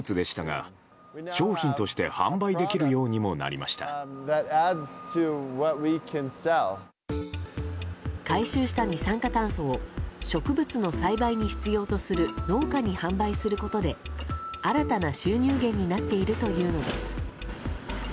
回収した二酸化炭素を植物の栽培に必要とする農家に販売することで新たな収入源になっているというのです。